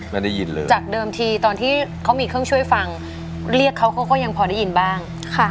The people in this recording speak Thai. ไม่ได้ยินเลยจากเดิมทีตอนที่เขามีเครื่องช่วยฟังเรียกเขาเขาก็ยังพอได้ยินบ้าง